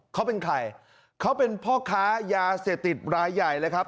เขาเป็นใครเขาเป็นพ่อค้ายาเสพติดรายใหญ่เลยครับ